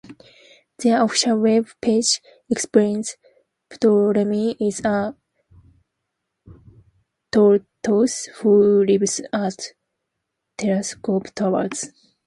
Their official web page explains, Ptolemy is a tortoise who lives at Terrascope Towers.